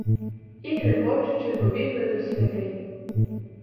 І, регочучи, побігли до святині.